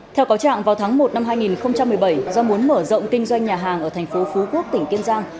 theo cáo trạng vào tháng một năm hai nghìn một mươi bảy do muốn mở rộng kinh doanh nhà hàng ở thành phố phú quốc tỉnh kiên giang